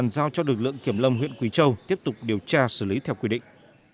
giao cho lực lượng kiểm lâm huyện quỳ châu tiếp tục điều tra xử lý theo quy định